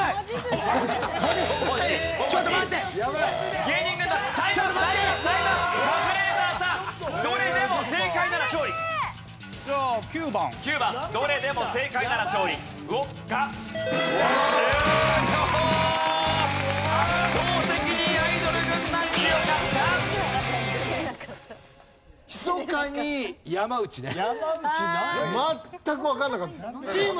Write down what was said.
全くわかんなかったです。